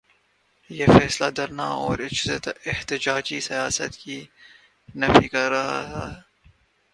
یہ فیصلہ دھرنا اور احتجاجی سیاست کی نفی کر رہا ہے۔